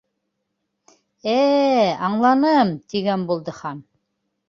—Ә-ә, аңланым, —тигән булды Хан.